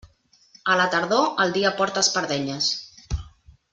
A la tardor, el dia porta espardenyes.